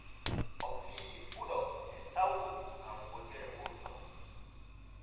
O fiyi fuɗo e sawru gam wojere wurto.